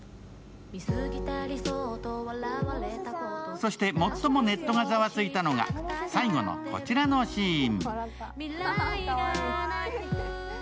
そして、最もネットがざわついたのが、最後のこちらのシーン。